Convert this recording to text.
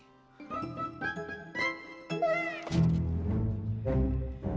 sebanyak lima kali putaran lapangan sekolah ini